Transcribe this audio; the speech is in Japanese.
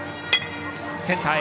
センターへ。